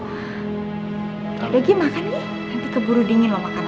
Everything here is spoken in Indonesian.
nggak lagi makan nih nanti keburu dingin lo makannya